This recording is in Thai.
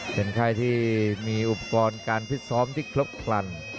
เป็นค่ายที่มีอุปกรณ์การพิษซ้อมที่ครบคลัน